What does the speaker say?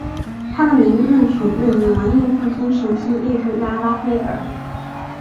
他的名字取自于文艺复兴时期艺术家拉斐尔。